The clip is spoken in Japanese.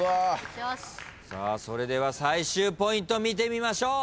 それでは最終ポイント見てみましょう。